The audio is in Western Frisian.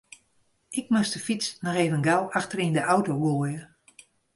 Ik moast de fyts noch even gau achter yn de auto goaie.